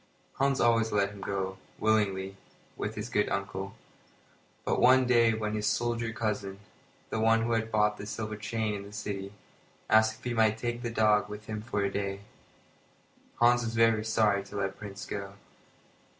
Hans always let him go, willingly, with his good uncle; but one day when his soldier cousin (the one who had bought the silver chain in the city) asked if he might take the dog with him for a day, Hans was very sorry to let Prince go.